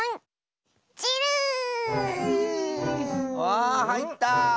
わあはいった！